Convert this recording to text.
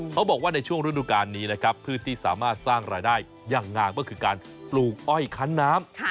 เขาบอกว่าในช่วงรุ่นดุการณ์นี้นะครับพื้นที่สามารถสร้างรายได้ยั่งงางก็คือการปลูกอ้อยคันน้ำ